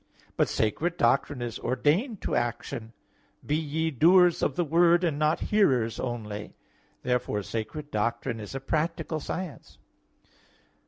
But sacred doctrine is ordained to action: "Be ye doers of the word, and not hearers only" (James 1:22). Therefore sacred doctrine is a practical science.